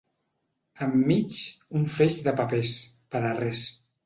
Enmig, un feix de papers… per a res.